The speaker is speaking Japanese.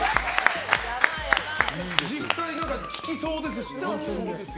実際、効きそうですし。